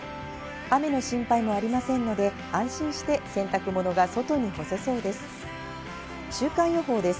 雨の心配もありませんので安心して洗濯物が外に干せそうです。